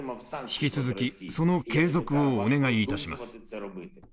引き続き、その継続をお願いいたします。